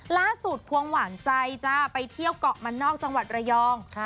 ควงหวานใจจ้าไปเที่ยวเกาะมันนอกจังหวัดระยอง